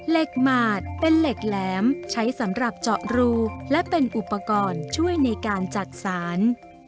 หมาดเป็นเหล็กแหลมใช้สำหรับเจาะรูและเป็นอุปกรณ์ช่วยในการจักษาน